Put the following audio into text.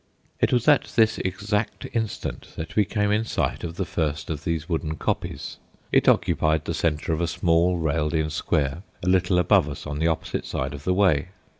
It was at this exact instant that we came in sight of the first of these wooden copies. It occupied the centre of a small, railed in square a little above us on the opposite side of the way.